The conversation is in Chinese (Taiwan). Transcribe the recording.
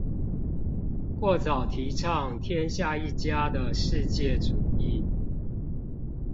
過早提倡天下一家的世界主義